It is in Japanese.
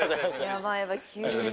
［やばいやばい。